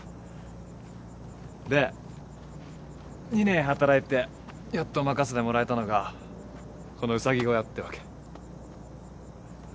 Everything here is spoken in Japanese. で２年働いてやっと任せてもらえたのがこのうさぎ小屋ってわけ。